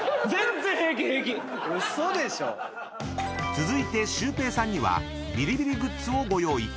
［続いてシュウペイさんにはビリビリグッズをご用意］